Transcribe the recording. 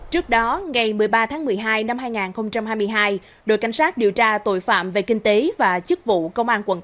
trước đó ngày một mươi ba tháng một mươi hai năm hai nghìn hai mươi hai đội cảnh sát điều tra tội phạm về kinh tế và chức vụ công an quận tám